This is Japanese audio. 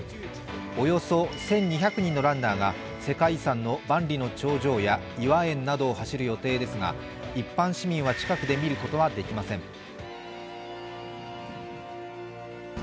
およそ１２００人のランナーが世界遺産の万里の長城や頤和園などを走る予定ですが、一般市民は近くで見ることはできません。